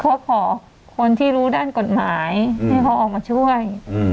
เขาขอคนที่รู้ด้านกฎหมายให้เขาออกมาช่วย